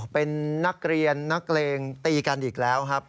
เป็นนักเรียนนักเลงตีกันอีกแล้วครับ